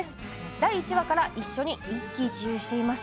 第１話から一緒に一喜一憂しています。